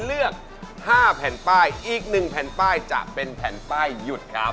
เลือก๕แผ่นป้ายอีก๑แผ่นป้ายจะเป็นแผ่นป้ายหยุดครับ